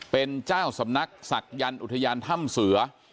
เป็นเจ้าสำนักศักยันต์อุทยานถ้ำเสือ